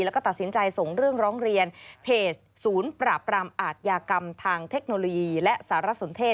แล้วก็ตัดสินใจส่งเรื่องร้องเรียนเพจศูนย์ปราบรามอาทยากรรมทางเทคโนโลยีและสารสนเทศ